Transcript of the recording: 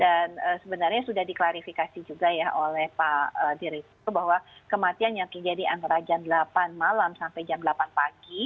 dan sebenarnya sudah diklarifikasi juga ya oleh pak direktur bahwa kematian yang kejadian raja delapan malam sampai jam delapan pagi